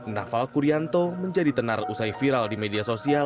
noval gurianto menjadi tenar usai viral di media sosial